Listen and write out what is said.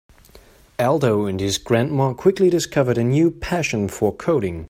Aldo and his grandma quickly discovered a new passion for coding.